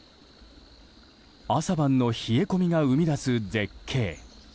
朝晩の冷え込みが生み出す絶景。